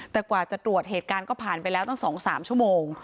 แต่กว่าจะตรวจเหตุการณ์ก็ผ่านไปแล้วตั้ง๒๓ชั่วโมง